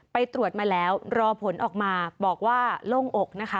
ไปตรวจมาแล้วรอผลออกมาบอกว่าโล่งอกนะคะ